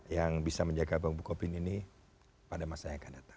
yang bisa menjaga bank bukopin ini pada masa yang akan datang